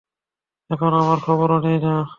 এখন আমার খবরও নেয় না।